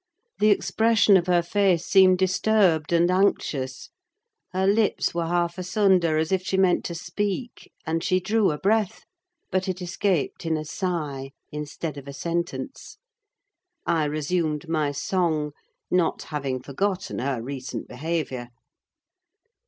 The expression of her face seemed disturbed and anxious. Her lips were half asunder, as if she meant to speak, and she drew a breath; but it escaped in a sigh instead of a sentence. I resumed my song; not having forgotten her recent behaviour.